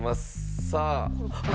さあ。